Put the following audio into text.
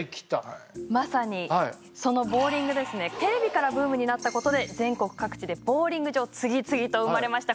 まさにそのボウリングですねテレビからブームになったことで全国各地でボウリング場次々と生まれました。